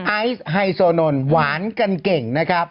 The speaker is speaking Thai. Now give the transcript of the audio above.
ไอซไฮโซนน์หวานเก่ง